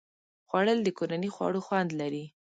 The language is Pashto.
خوړل د کورني خواړو خوند لري